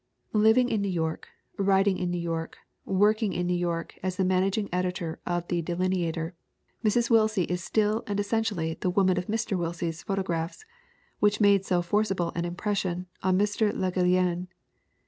Living in New York, writing in New York, work ing in New York as the managing editor of the De lineator, Mrs. Willsie is still and essentially the wom an of Mr. Willsie's photographs which made so forci ble an impression on Mr. Le Gallienne.